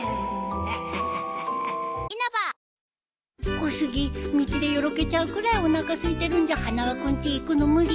小杉道でよろけちゃうくらいおなかすいてるんじゃ花輪君ち行くの無理？